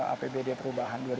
apbd perubahan dua ribu tujuh belas